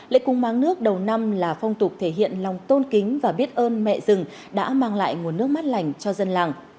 lễ cung máng nước đầu năm là phong tục thể hiện lòng tôn kính và biết ơn mẹ rừng đã mang lại nguồn nước mát lành cho dân làng